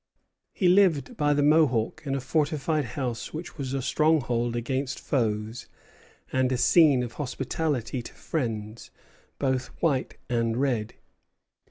He lived by the Mohawk in a fortified house which was a stronghold against foes and a scene of hospitality to friends, both white and red.